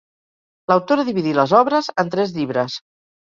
L'autora dividí les obres en tres llibres.